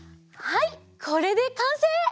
はいこれでかんせい！